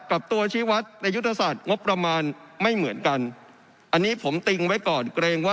กับตัวชีวัตรในยุทธศาสตร์งบประมาณไม่เหมือนกันอันนี้ผมติงไว้ก่อนเกรงว่า